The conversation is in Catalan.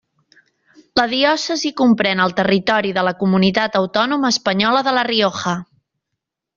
La diòcesi comprèn el territori de la comunitat autònoma espanyola de La Rioja.